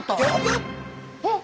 えっ！